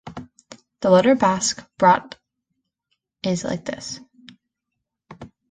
The letter Basque brought is like this.